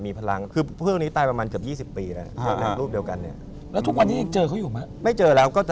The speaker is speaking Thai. มีพลังเพื่อนนี้ตายประมาณเกือบ๒๐ปีแล้ว